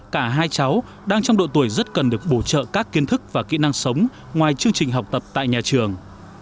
cả hai cháu đang trong độ tuổi rất cần được bổ trợ các kiến thức và kỹ năng sống ngoài chương trình học tập tại nhà trường